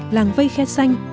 làng vây khe xanh